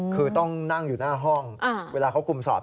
คือต้องนั่งอยู่หน้าห้องเวลาเขาคุมสอบ